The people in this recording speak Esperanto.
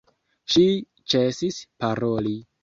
Ŝi ĉesis paroli.